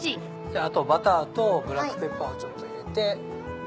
あとバターとブラックペッパーをちょっと入れて。